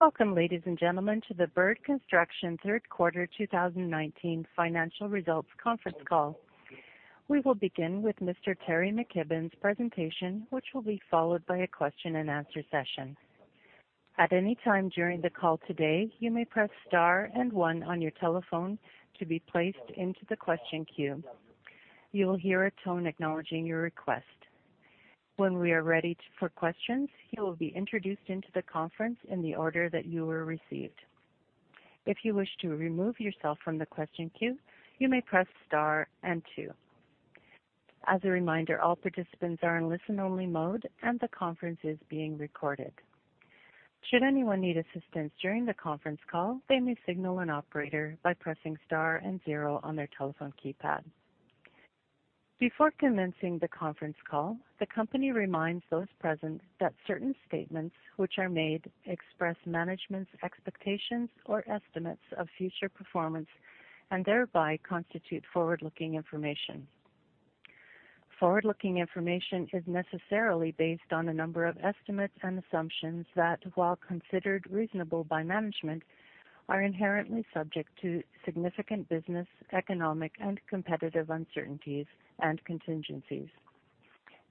Welcome, ladies and gentlemen, to the Bird Construction third quarter 2019 financial results conference call. We will begin with Mr. Teri McKibbon's presentation, which will be followed by a question and answer session. At any time during the call today, you may press star and one on your telephone to be placed into the question queue. You will hear a tone acknowledging your request. When we are ready for questions, you will be introduced into the conference in the order that you were received. If you wish to remove yourself from the question queue, you may press star and two. As a reminder, all participants are in listen-only mode and the conference is being recorded. Should anyone need assistance during the conference call, they may signal an operator by pressing star and zero on their telephone keypad. Before commencing the conference call, the company reminds those present that certain statements which are made express management's expectations or estimates of future performance and thereby constitute forward-looking information. Forward-looking information is necessarily based on a number of estimates and assumptions that, while considered reasonable by management, are inherently subject to significant business, economic and competitive uncertainties and contingencies.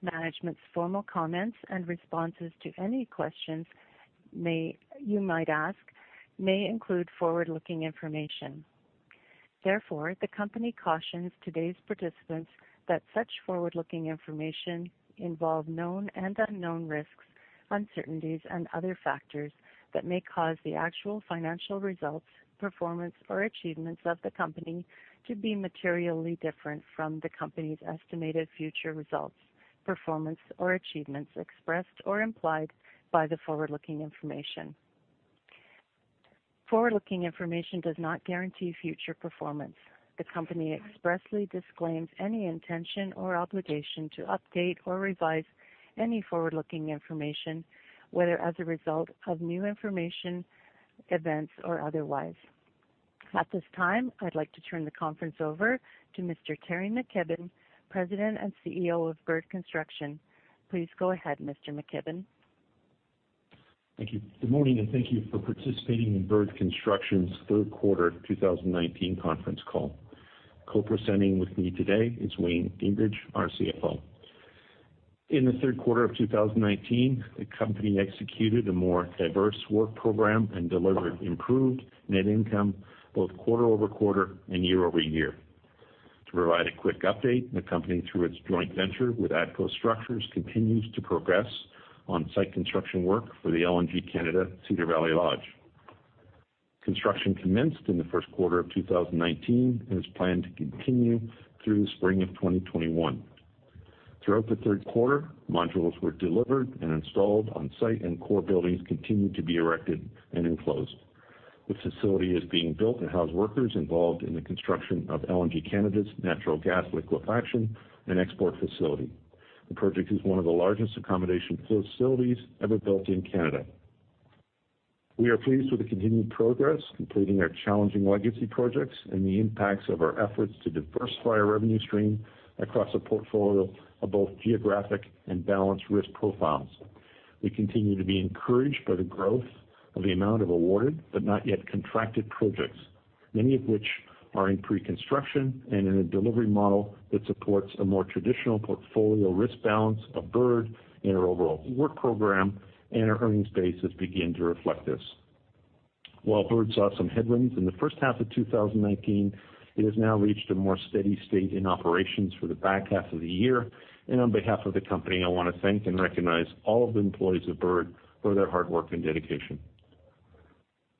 Management's formal comments and responses to any questions you might ask may include forward-looking information. Therefore, the company cautions today's participants that such forward-looking information involve known and unknown risks, uncertainties and other factors that may cause the actual financial results, performance, or achievements of the company to be materially different from the company's estimated future results, performance, or achievements expressed or implied by the forward-looking information. Forward-looking information does not guarantee future performance. The company expressly disclaims any intention or obligation to update or revise any forward-looking information, whether as a result of new information, events, or otherwise. At this time, I'd like to turn the conference over to Mr. Teri McKibbon, President and CEO of Bird Construction. Please go ahead, Mr. McKibbon. Thank you. Good morning, and thank you for participating in Bird Construction's third quarter 2019 conference call. Co-presenting with me today is Wayne Gingrich, our CFO. In the third quarter of 2019, the company executed a more diverse work program and delivered improved net income both quarter-over-quarter and year-over-year. To provide a quick update, the company, through its joint venture with ATCO Structures, continues to progress on-site construction work for the LNG Canada Cedar Valley Lodge. Construction commenced in the first quarter of 2019 and is planned to continue through the spring of 2021. Throughout the third quarter, modules were delivered and installed on-site, and core buildings continued to be erected and enclosed. This facility is being built to house workers involved in the construction of LNG Canada's natural gas liquefaction and export facility. The project is one of the largest accommodation facilities ever built in Canada. We are pleased with the continued progress, completing our challenging legacy projects and the impacts of our efforts to diversify our revenue stream across a portfolio of both geographic and balanced risk profiles. We continue to be encouraged by the growth of the amount of awarded, but not yet contracted projects, many of which are in pre-construction and in a delivery model that supports a more traditional portfolio risk balance of Bird in our overall work program, and our earnings base has begun to reflect this. While Bird saw some headwinds in the first half of 2019, it has now reached a more steady state in operations for the back half of the year. On behalf of the company, I want to thank and recognize all of the employees of Bird for their hard work and dedication.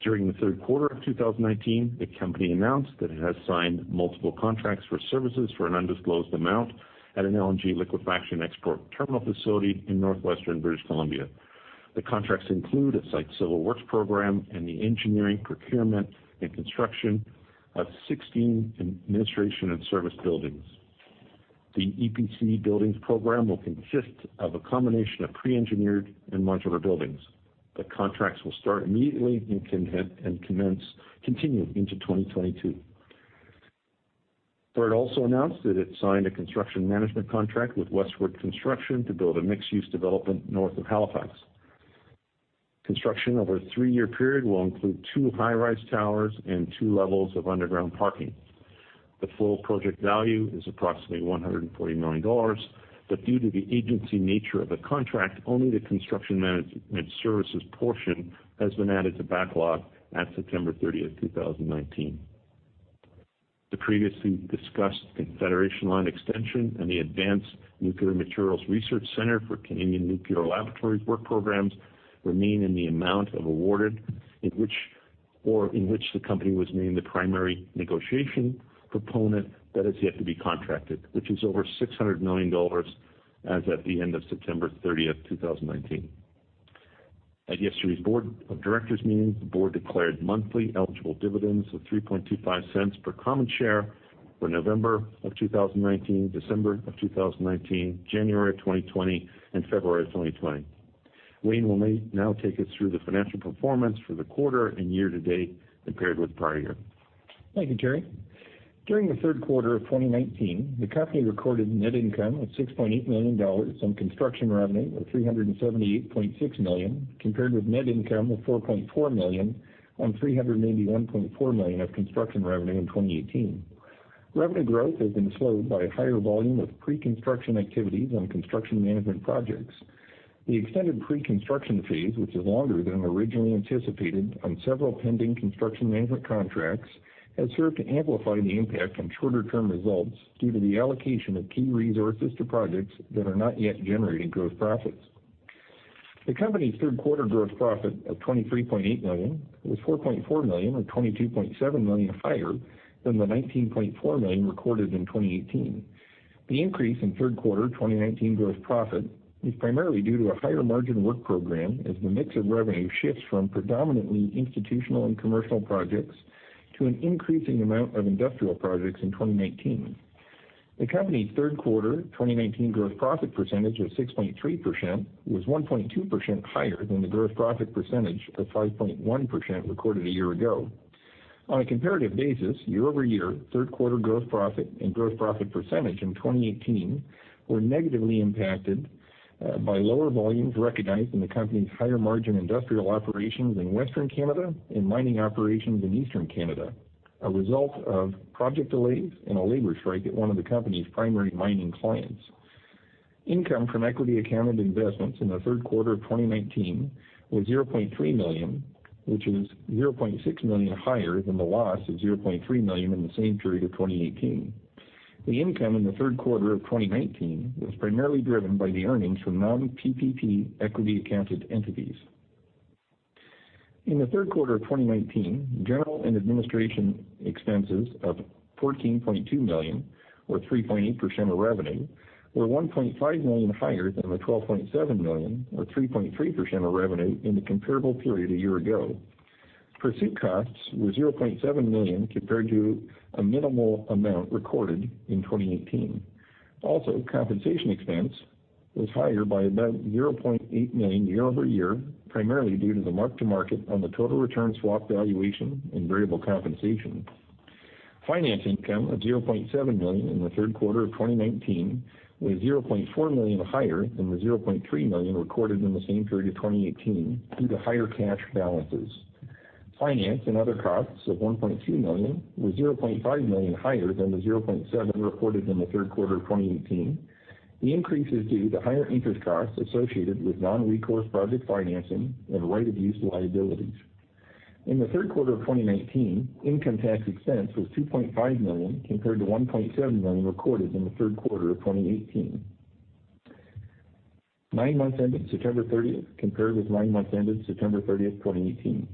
During the third quarter of 2019, the company announced that it has signed multiple contracts for services for an undisclosed amount at an LNG liquefaction export terminal facility in Northwestern British Columbia. The contracts include a site civil works program and the engineering, procurement, and construction of 16 administration and service buildings. The EPC buildings program will consist of a combination of pre-engineered and modular buildings. The contracts will start immediately and continue into 2022. Bird also announced that it signed a construction management contract with Westwood Construction to build a mixed-use development north of Halifax. Construction over a three-year period will include two high-rise towers and two levels of underground parking. The full project value is approximately 140 million dollars. Due to the agency nature of the contract, only the construction management services portion has been added to backlog at September 30th, 2019. The previously discussed Confederation Line extension and the Advanced Nuclear Materials Research Centre for Canadian Nuclear Laboratories work programs remain in the amount of awarded, or in which the company was named the primary negotiation proponent that is yet to be contracted, which is over 600 million dollars as at the end of September 30th, 2019. At yesterday's Board of Directors meeting, the board declared monthly eligible dividends of 0.0325 per common share for November of 2019, December of 2019, January 2020, and February of 2020. Wayne will now take us through the financial performance for the quarter and year to date compared with prior year. Thank you, Teri. During the third quarter of 2019, the company recorded net income of 6.8 million dollars on construction revenue of 378.6 million, compared with net income of 4.4 million on 391.4 million of construction revenue in 2018. Revenue growth has been slowed by a higher volume of pre-construction activities on construction management projects. The extended pre-construction phase, which is longer than originally anticipated on several pending construction management contracts, has served to amplify the impact on shorter-term results due to the allocation of key resources to projects that are not yet generating gross profits. The company's third quarter gross profit of 23.8 million was 4.4 million or 22.7 million higher than the 19.4 million recorded in 2018. The increase in third quarter 2019 gross profit is primarily due to a higher margin work program as the mix of revenue shifts from predominantly institutional and commercial projects to an increasing amount of industrial projects in 2019. The company's third quarter 2019 gross profit percentage of 6.3% was 1.2% higher than the gross profit percentage of 5.1% recorded a year ago. On a comparative basis, year-over-year, third quarter gross profit and gross profit percentage in 2018 were negatively impacted by lower volumes recognized in the company's higher margin industrial operations in Western Canada and mining operations in Eastern Canada, a result of project delays and a labor strike at one of the company's primary mining clients. Income from equity accounted investments in the third quarter of 2019 was 0.3 million, which is 0.6 million higher than the loss of 0.3 million in the same period of 2018. The income in the third quarter of 2019 was primarily driven by the earnings from non-PPP equity accounted entities. In the third quarter of 2019, general and administration expenses of 14.2 million or 3.8% of revenue were 1.5 million higher than the 12.7 million or 3.3% of revenue in the comparable period a year ago. Pursuit costs were 0.7 million compared to a minimal amount recorded in 2018. Also, compensation expense was higher by about 0.8 million year-over-year, primarily due to the mark-to-market on the total return swap valuation and variable compensation. Finance income of 0.7 million in the third quarter of 2019 was 0.4 million higher than the 0.3 million recorded in the same period of 2018 due to higher cash balances. Finance and other costs of 1.2 million were 0.5 million higher than the 0.7 million reported in the third quarter of 2018. The increase is due to higher interest costs associated with non-recourse project financing and right of use liabilities. In the third quarter of 2019, income tax expense was 2.5 million compared to 1.7 million recorded in the third quarter of 2018. Nine months ending September 30th compared with nine months ending September 30th, 2018.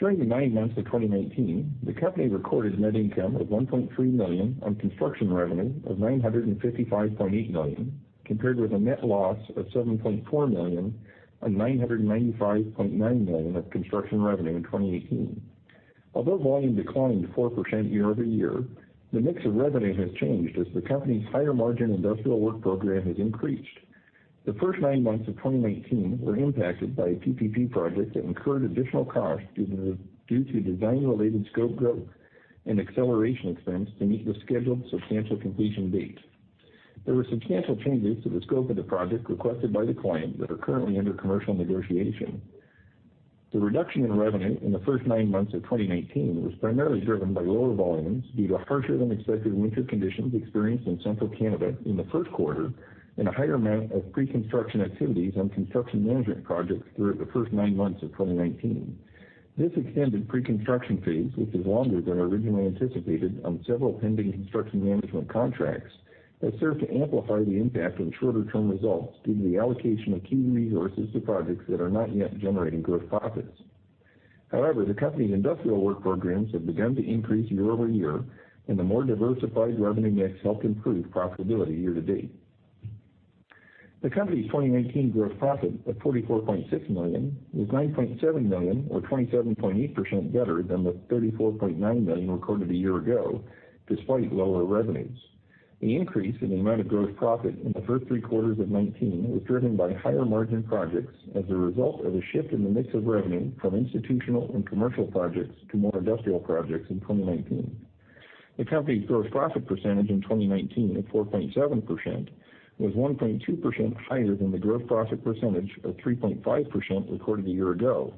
During the nine months of 2019, the company recorded net income of 1.3 million on construction revenue of 955.8 million, compared with a net loss of 7.4 million on 995.9 million of construction revenue in 2018. Although volume declined 4% year-over-year, the mix of revenue has changed as the company's higher margin industrial work program has increased. The first nine months of 2019 were impacted by a PPP project that incurred additional costs due to design-related scope growth and acceleration expense to meet the scheduled substantial completion date. There were substantial changes to the scope of the project requested by the client that are currently under commercial negotiation. The reduction in revenue in the first nine months of 2019 was primarily driven by lower volumes due to harsher-than-expected winter conditions experienced in Central Canada in the first quarter and a higher amount of pre-construction activities on construction management projects throughout the first nine months of 2019. This extended pre-construction phase, which is longer than originally anticipated on several pending construction management contracts, has served to amplify the impact on shorter-term results due to the allocation of key resources to projects that are not yet generating gross profits. However, the company's industrial work programs have begun to increase year-over-year, and the more diversified revenue mix helped improve profitability year-to-date. The company's 2019 gross profit of 44.6 million was 9.7 million or 27.8% better than the 34.9 million recorded a year ago, despite lower revenues. The increase in the amount of gross profit in the first three quarters of 2019 was driven by higher margin projects as a result of a shift in the mix of revenue from institutional and commercial projects to more industrial projects in 2019. The company's gross profit percentage in 2019 of 4.7% was 1.2% higher than the gross profit percentage of 3.5% recorded a year ago.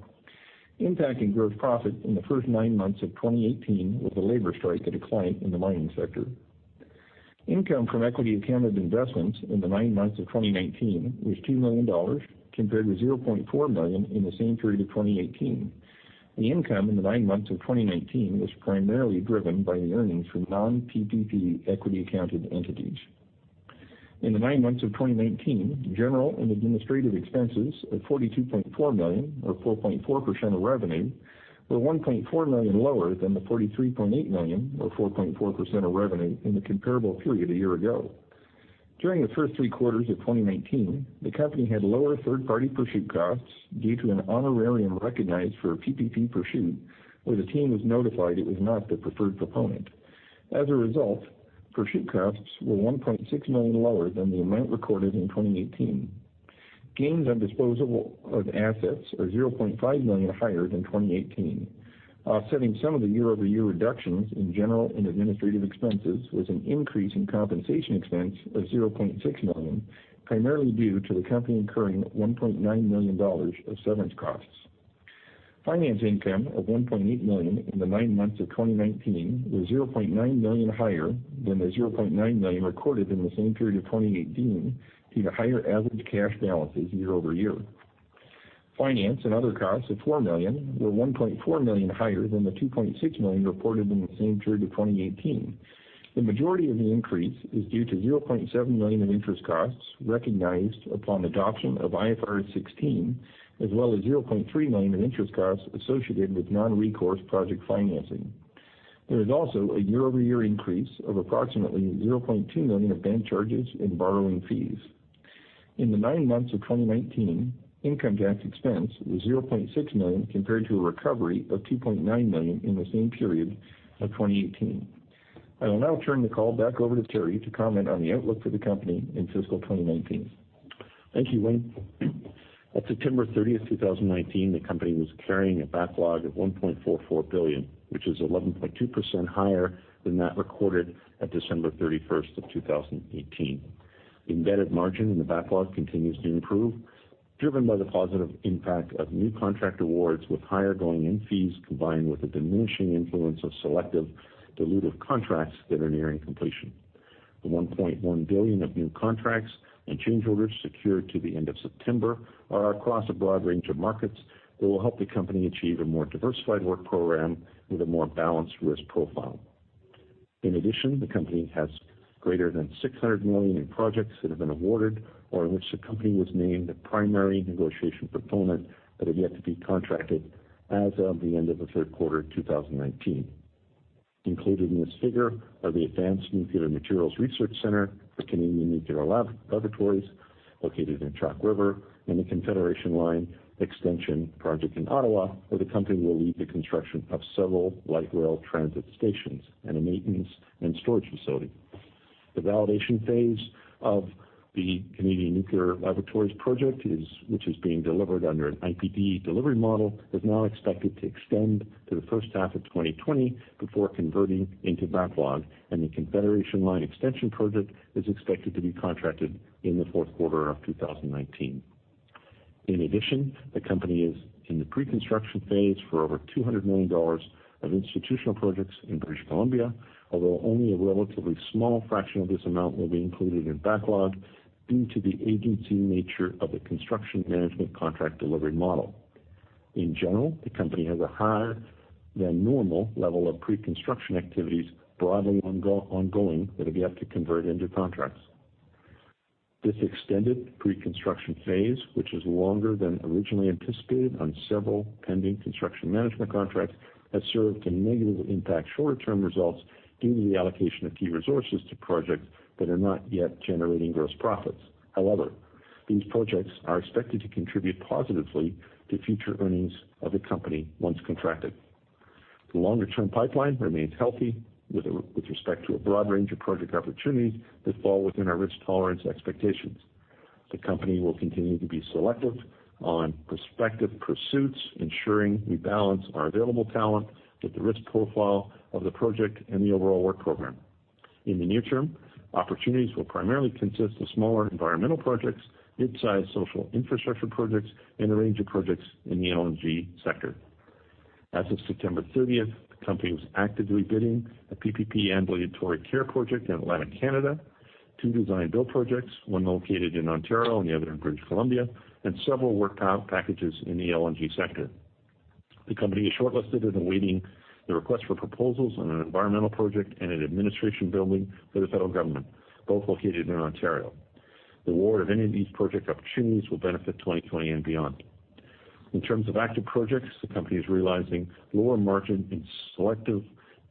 Impacting gross profit in the first nine months of 2018 was a labor strike at a client in the mining sector. Income from equity accounted investments in the nine months of 2019 was 2 million dollars compared with 0.4 million in the same period of 2018. The income in the nine months of 2019 was primarily driven by the earnings from non-PPP equity accounted entities. In the nine months of 2019, general and administrative expenses of 42.4 million or 4.4% of revenue were 1.4 million lower than the 43.8 million or 4.4% of revenue in the comparable period a year ago. During the first three quarters of 2019, the company had lower third-party pursuit costs due to an honorarium recognized for a PPP pursuit where the team was notified it was not the preferred proponent. As a result, pursuit costs were 1.6 million lower than the amount recorded in 2018. Gains on disposal of assets are 0.5 million higher than 2018. Offsetting some of the year-over-year reductions in general and administrative expenses was an increase in compensation expense of 0.6 million, primarily due to the company incurring 1.9 million dollars of severance costs. Finance income of 1.8 million in the nine months of 2019 was 0.9 million higher than the 0.9 million recorded in the same period of 2018 due to higher average cash balances year-over-year. Finance and other costs of 4 million were 1.4 million higher than the 2.6 million reported in the same period of 2018. The majority of the increase is due to 0.7 million of interest costs recognized upon adoption of IFRS 16, as well as 0.3 million in interest costs associated with non-recourse project financing. There is also a year-over-year increase of approximately 0.2 million of bank charges in borrowing fees. In the nine months of 2019, income tax expense was 0.6 million compared to a recovery of 2.9 million in the same period of 2018. I will now turn the call back over to Teri to comment on the outlook for the company in fiscal 2019. Thank you, Wayne. At September 30th, 2019, the company was carrying a backlog of 1.44 billion, which is 11.2% higher than that recorded at December 31st of 2018. The embedded margin in the backlog continues to improve, driven by the positive impact of new contract awards with higher going-in fees, combined with the diminishing influence of selective dilutive contracts that are nearing completion. The 1.1 billion of new contracts and change orders secured to the end of September are across a broad range of markets that will help the company achieve a more diversified work program with a more balanced risk profile. The company has greater than 600 million in projects that have been awarded or in which the company was named the primary negotiation proponent but have yet to be contracted as of the end of the third quarter 2019. Included in this figure are the Advanced Nuclear Materials Research Centre, the Canadian Nuclear Laboratories located in Chalk River, and the Confederation Line Extension project in Ottawa, where the company will lead the construction of several light rail transit stations and a maintenance and storage facility. The validation phase of the Canadian Nuclear Laboratories project, which is being delivered under an IPD delivery model, is now expected to extend to the first half of 2020 before converting into backlog, and the Confederation Line Extension project is expected to be contracted in the fourth quarter of 2019. The company is in the pre-construction phase for over 200 million dollars of institutional projects in British Columbia, although only a relatively small fraction of this amount will be included in backlog due to the agency nature of the construction management contract delivery model. In general, the company has a higher than normal level of pre-construction activities broadly ongoing that have yet to convert into contracts. This extended pre-construction phase, which is longer than originally anticipated on several pending construction management contracts, has served to negatively impact shorter-term results due to the allocation of key resources to projects that are not yet generating gross profits. However, these projects are expected to contribute positively to future earnings of the company once contracted. The longer-term pipeline remains healthy with respect to a broad range of project opportunities that fall within our risk tolerance expectations. The company will continue to be selective on prospective pursuits, ensuring we balance our available talent with the risk profile of the project and the overall work program. In the near term, opportunities will primarily consist of smaller environmental projects, midsize social infrastructure projects, and a range of projects in the LNG sector. As of September 30th, the company was actively bidding a PPP ambulatory care project in Atlantic Canada, two design-build projects, one located in Ontario and the other in British Columbia, and several work packages in the LNG sector. The company is shortlisted and awaiting the request for proposals on an environmental project and an administration building for the federal government, both located in Ontario. The award of any of these project opportunities will benefit 2020 and beyond. In terms of active projects, the company is realizing lower margin in selective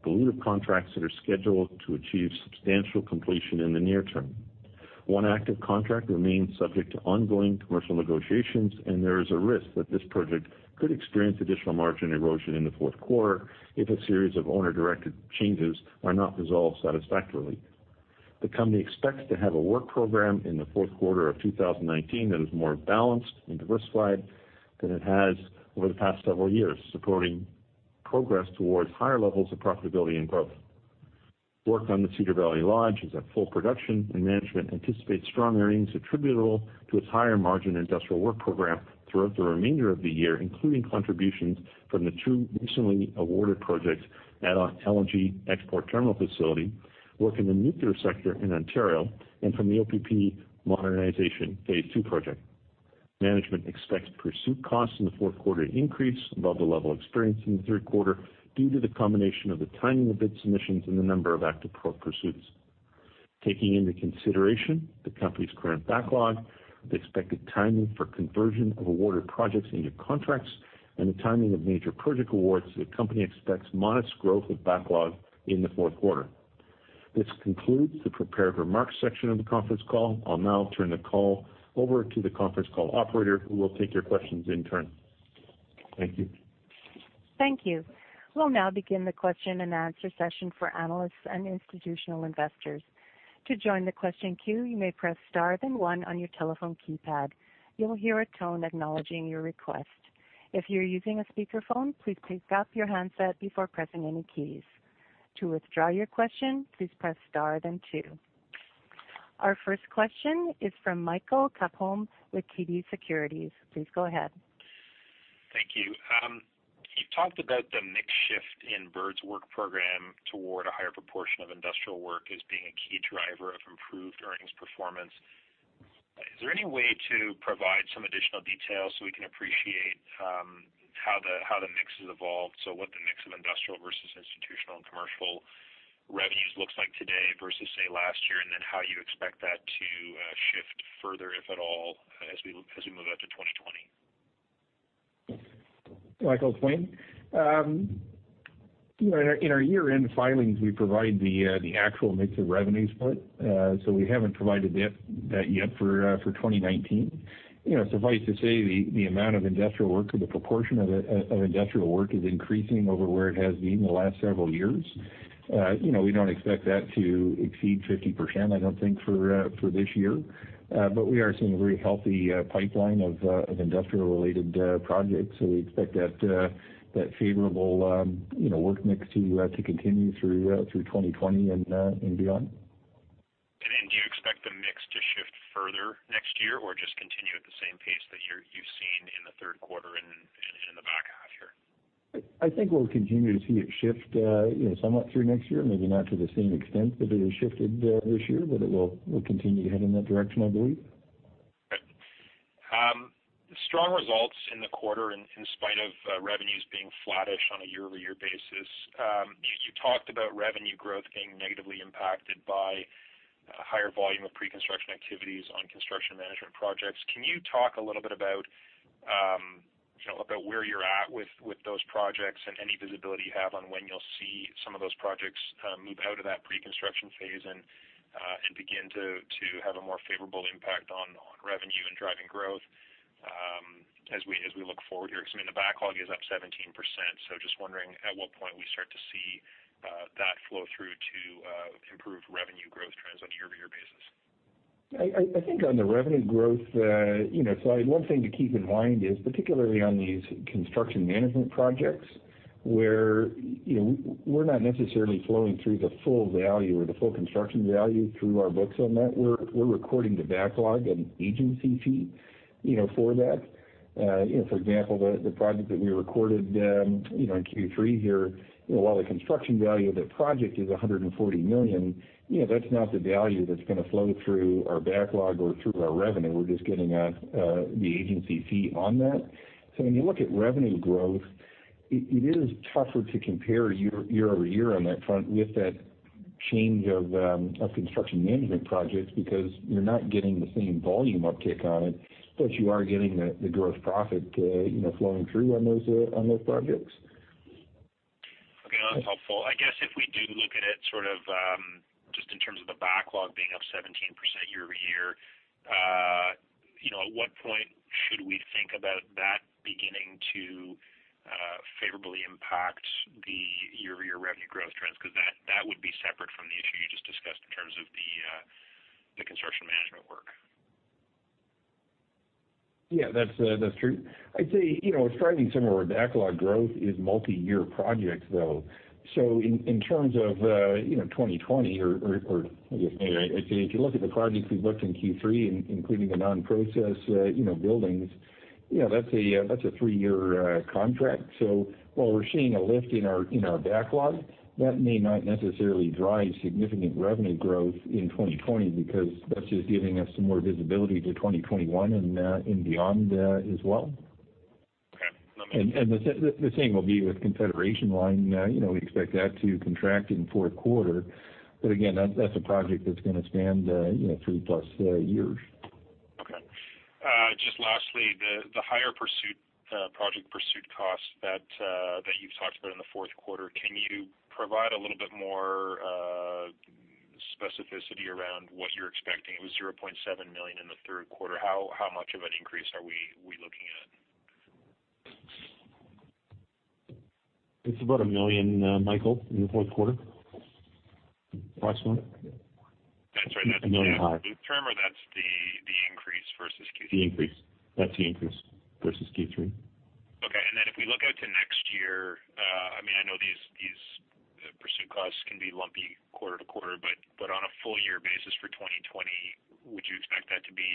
dilutive contracts that are scheduled to achieve substantial completion in the near term. One active contract remains subject to ongoing commercial negotiations. There is a risk that this project could experience additional margin erosion in the fourth quarter if a series of owner-directed changes are not resolved satisfactorily. The company expects to have a work program in the fourth quarter of 2019 that is more balanced and diversified than it has over the past several years, supporting progress towards higher levels of profitability and growth. Work on the Cedar Valley Lodge is at full production. Management anticipates strong earnings attributable to its higher margin industrial work program throughout the remainder of the year, including contributions from the two recently awarded projects at our LNG export terminal facility, work in the nuclear sector in Ontario, and from the OPP Modernization Phase 2 project. Management expects pursuit costs in the fourth quarter to increase above the level experienced in the third quarter due to the combination of the timing of bid submissions and the number of active pro pursuits. Taking into consideration the company's current backlog, the expected timing for conversion of awarded projects into contracts, and the timing of major project awards, the company expects modest growth of backlog in the fourth quarter. This concludes the prepared remarks section of the conference call. I'll now turn the call over to the conference call operator, who will take your questions in turn. Thank you. Thank you. We'll now begin the question and answer session for analysts and institutional investors. To join the question queue, you may press star then one on your telephone keypad. You'll hear a tone acknowledging your request. If you're using a speakerphone, please pick up your handset before pressing any keys. To withdraw your question, please press star then two. Our first question is from Michael Tupholme with TD Securities. Please go ahead. Thank you. You've talked about the mix shift in Bird's work program toward a higher proportion of industrial work as being a key driver of improved earnings performance. Is there any way to provide some additional details so we can appreciate how the mix has evolved? What the mix of industrial versus institutional and commercial revenues looks like today versus, say, last year, and then how you expect that to shift further, if at all, as we move out to 2020? Michael, it's Wayne. In our year-end filings, we provide the actual mix of revenues split. We haven't provided that yet for 2019. Suffice to say, the amount of industrial work, or the proportion of industrial work is increasing over where it has been the last several years. We don't expect that to exceed 50%, I don't think, for this year. We are seeing a very healthy pipeline of industrial-related projects. We expect that favorable work mix to continue through 2020 and beyond. Do you expect the mix to shift further next year or just continue at the same pace that you've seen in the third quarter and in the back half here? I think we'll continue to see it shift somewhat through next year, maybe not to the same extent that it has shifted this year, but it will continue to head in that direction, I believe. Right. Strong results in the quarter in spite of revenues being flattish on a year-over-year basis. You talked about revenue growth being negatively impacted by a higher volume of pre-construction activities on construction management projects. Can you talk a little bit about where you're at with those projects and any visibility you have on when you'll see some of those projects move out of that pre-construction phase and begin to have a more favorable impact on revenue and driving growth as we look forward here? Because the backlog is up 17%, so just wondering at what point we start to see that flow through to improved revenue growth trends on a year-over-year basis. I think on the revenue growth, one thing to keep in mind is, particularly on these construction management projects where we're not necessarily flowing through the full value or the full construction value through our books on that. We're recording the backlog and agency fee for that. For example, the project that we recorded in Q3 here, while the construction value of that project is 140 million, that's not the value that's going to flow through our backlog or through our revenue. We're just getting the agency fee on that. When you look at revenue growth, it is tougher to compare year-over-year on that front with that change of construction management projects because you're not getting the same volume uptick on it, but you are getting the gross profit flowing through on those projects. Okay. That's helpful. I guess if we do look at it sort of just in terms of the backlog being up 17% year-over-year, at what point should we think about that beginning to favorably impact the year-over-year revenue growth trends? That would be separate from the issue you just discussed in terms of the construction management work. Yeah, that's true. I'd say it's driving similar backlog growth is multi-year projects, though. In terms of 2020 or if you look at the projects we booked in Q3, including the non-process buildings, that's a three-year contract. While we're seeing a lift in our backlog, that may not necessarily drive significant revenue growth in 2020 because that's just giving us some more visibility to 2021 and beyond as well. Okay. The same will be with Confederation Line. We expect that to contract in the fourth quarter, but again, that's a project that's going to span three plus years. Okay. Just lastly, the higher project pursuit cost that you've talked about in the fourth quarter, can you provide a little bit more specificity around what you're expecting? It was 0.7 million in the third quarter. How much of an increase are we looking at? It's about 1 million, Michael, in the fourth quarter. Approximately. That's right. 1 million high. That's the term or that's the increase versus Q3? The increase. That's the increase versus Q3. Okay. If we look out to next year, I know these pursuit costs can be lumpy quarter to quarter, but on a full year basis for 2020, would you expect that to be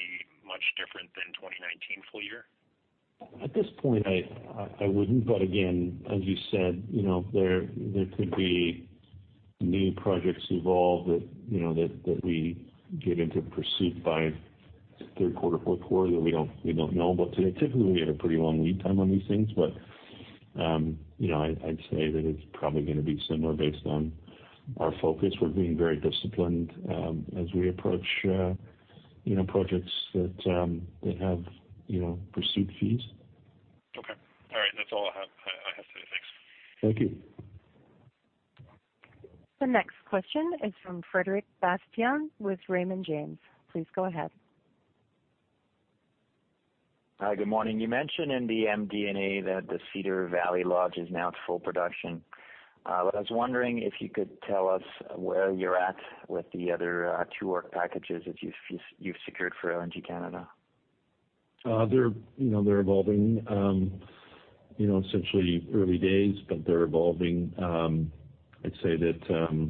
much different than 2019 full year? At this point, I wouldn't, but again, as you said, there could be new projects evolve that we get into pursuit by third quarter, fourth quarter that we don't know about today. Typically, we have a pretty long lead time on these things, but I'd say that it's probably going to be similar based on our focus. We're being very disciplined as we approach projects that have pursuit fees. Okay. All right. That's all I have today. Thanks. Thank you. The next question is from Frederic Bastien with Raymond James. Please go ahead. Hi, good morning. You mentioned in the MD&A that the Cedar Valley Lodge is now at full production. I was wondering if you could tell us where you're at with the other two work packages that you've secured for LNG Canada. They're evolving, essentially early days, they're evolving. I'd say that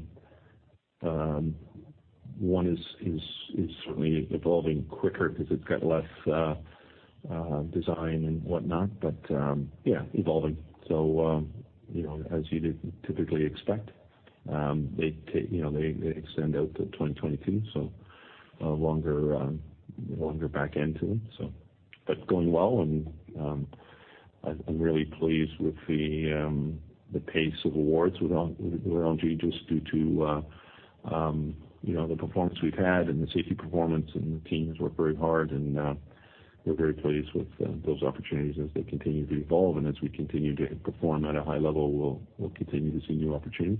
one is certainly evolving quicker because it's got less design and whatnot. Yeah, evolving. As you'd typically expect, they extend out to 2022, a longer back end to them. Going well and I'm really pleased with the pace of awards with LNG just due to the performance we've had and the safety performance and the teams work very hard and we're very pleased with those opportunities as they continue to evolve. As we continue to perform at a high level, we'll continue to see new opportunities.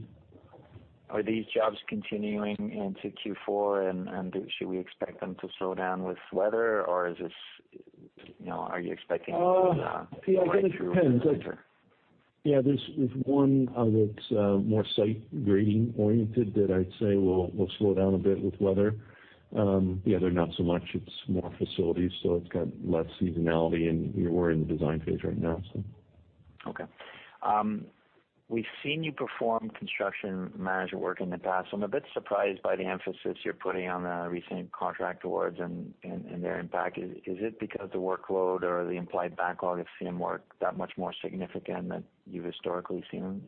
Are these jobs continuing into Q4 and should we expect them to slow down with weather or are you expecting to go right through winter? I think it depends. There's one that's more site grading oriented that I'd say will slow down a bit with weather. The other, not so much, it's more facilities, so it's got less seasonality and we're in the design phase right now. Okay. We've seen you perform construction management work in the past. I'm a bit surprised by the emphasis you're putting on the recent contract awards and their impact. Is it because the workload or the implied backlog of CM work that much more significant than you've historically seen?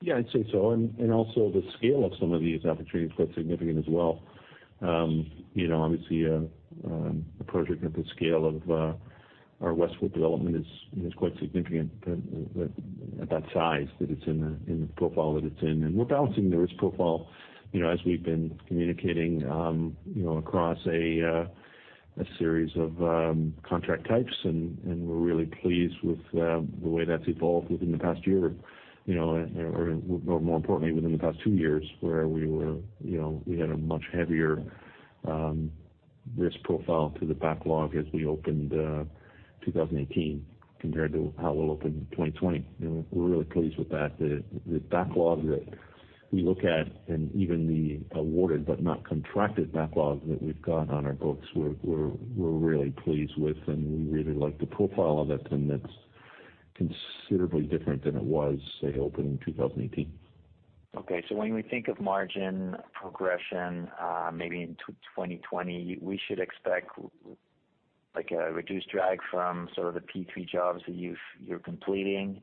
Yeah, I'd say so. Also the scale of some of these opportunities is quite significant as well. Obviously, a project of the scale of our Westwood development is quite significant at that size that it's in the profile that it's in. We're balancing the risk profile as we've been communicating across a series of contract types, and we're really pleased with the way that's evolved within the past year, or more importantly, within the past two years, where we had a much heavier risk profile to the backlog as we opened 2018 compared to how we'll open 2020. We're really pleased with that. The backlog that we look at and even the awarded but not contracted backlog that we've got on our books we're really pleased with, and we really like the profile of it, and that's considerably different than it was, say, opening 2018. Okay, when we think of margin progression maybe into 2020, we should expect a reduced drag from sort of the P3 jobs that you're completing,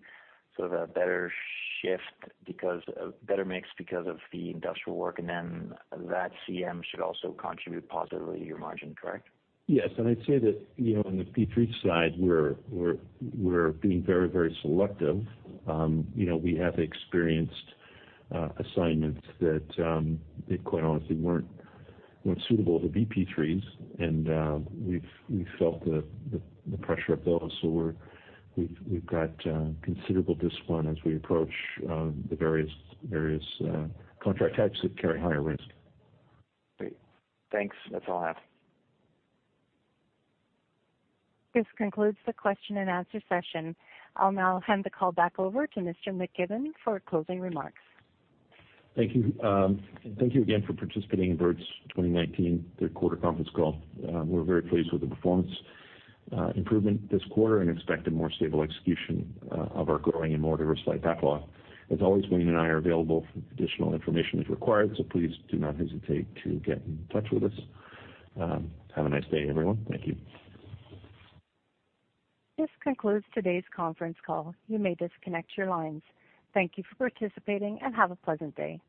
sort of a better mix because of the industrial work, and then that CM should also contribute positively to your margin, correct? Yes. I'd say that on the P3 side, we're being very selective. We have experienced assignments that quite honestly weren't suitable to be P3s, and we've felt the pressure of those. We've got considerable discipline as we approach the various contract types that carry higher risk. Great. Thanks. That's all I have. This concludes the question and answer session. I'll now hand the call back over to Mr. McKibbon for closing remarks. Thank you. Thank you again for participating in Bird's 2019 third quarter conference call. We're very pleased with the performance improvement this quarter and expect a more stable execution of our growing and more diversified backlog. As always, Wayne and I are available for additional information as required, so please do not hesitate to get in touch with us. Have a nice day, everyone. Thank you. This concludes today's conference call. You may disconnect your lines. Thank you for participating and have a pleasant day.